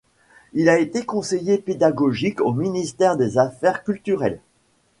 Il a été conseiller pédagogique au ministère des Affaires culturelles.